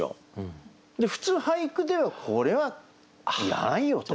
普通俳句ではこれはやらんよと。